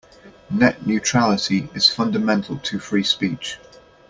Net neutrality is fundamental to free speech.